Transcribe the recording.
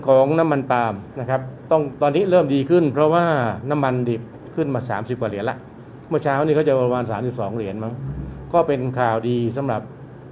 ของน้ำมันปาล์มนะครับต้องตอนนี้เริ่มดีขึ้นเพราะว่าน้ำมันดิบขึ้นมาสามสิบกว่าเหรียญแล้วเมื่อเช้านี้ก็จะประมาณสามสิบสองเหรียญมั้งก็เป็นข่าวดีสำหรับ